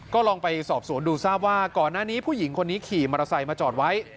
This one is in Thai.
ก็ลองไปสอบสวนดูทราบว่าก่อนหน้านี้ผู้หญิงคนนี้ขี่มอเตอร์ไซค์มาจอดไว้